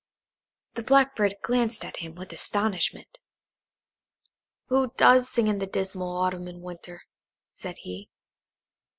The Blackbird glanced at him with astonishment. "Who does sing in the dismal Autumn and Winter?" said he.